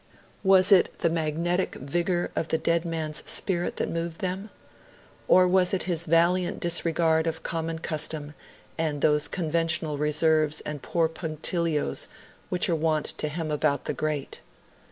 Was it the magnetic vigour of the dead man's spirit that moved them? Or was it his valiant disregard of common custom and those conventional reserves and poor punctilios which are wont to hem about the great?